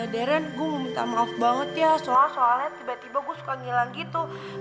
darren gue mau minta maaf banget ya soalnya tiba tiba gue suka ngilang gitu